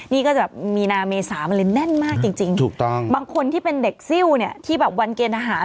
นี่ก็จะมีนาเมษามันเลยแน่นมากจริงถูกต้องบางคนที่เป็นเด็กซิลเนี่ยที่แบบวันเกณฑหาร